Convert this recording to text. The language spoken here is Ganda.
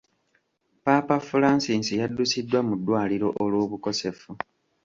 Paapa Francis yaddusiddwa mu ddwaliro olw’obukosefu.